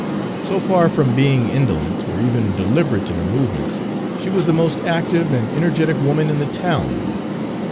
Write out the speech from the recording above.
So far from being indolent, or even deliberate in her movements, she was the most active and energetic woman in the town.